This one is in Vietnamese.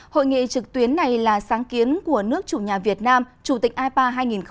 hội nghị trực tuyến này là sáng kiến của nước chủ nhà việt nam chủ tịch ipa hai nghìn hai mươi